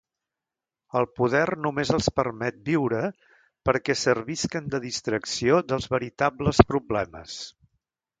El poder només els permet viure perquè servisquen de distracció dels veritables problemes.